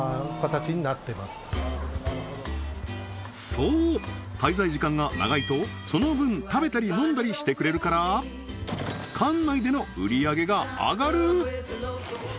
そう滞在時間が長いとその分食べたり飲んだりしてくれるから館内での売り上げが上がる！